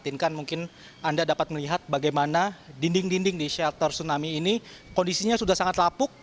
mungkin anda dapat melihat bagaimana dinding dinding di shelter tsunami ini kondisinya sudah sangat lapuk